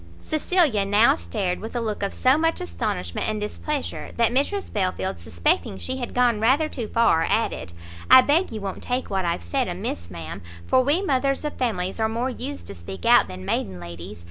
Cecilia now stared with a look of so much astonishment and displeasure, that Mrs Belfield, suspecting she had gone rather too far, added "I beg you won't take what I've said amiss, ma'am, for we mothers of families are more used to speak out than maiden ladies.